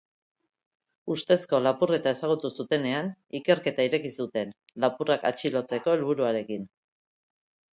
Ustezko lapurreta ezagutu zutenean, ikerketa ireki zuten, lapurrak atxilotzeko helburuarekin.